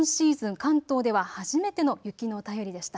関東では初めての雪の便りでした。